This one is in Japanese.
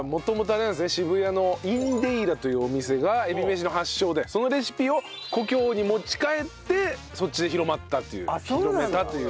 渋谷のいんでいらというお店がえびめしの発祥でそのレシピを故郷に持ち帰ってそっちで広まったという広めたという。